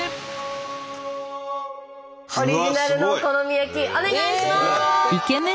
オリジナルのお好み焼きお願いします。